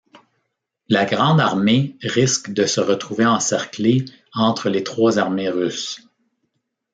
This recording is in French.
La Grande Armée risque de se retrouver encerclée entre les trois armées russes.